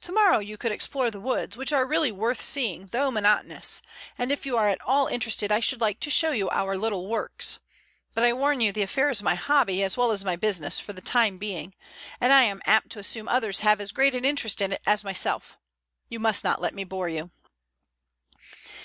Tomorrow you could explore the woods, which are really worth seeing though monotonous, and if you are at all interested I should like to show you our little works. But I warn you the affair is my hobby, as well as my business for the time being, and I am apt to assume others have as great an interest in it as myself. You must not let me bore you."